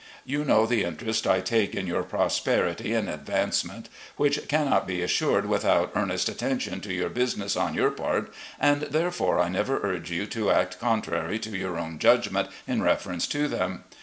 You know the interest I take in your prosperity and advancement, which cannot be assured without earnest attention to your business on yotm part, and therefore I never urge you to act contrary to yom own judgment in reference to them.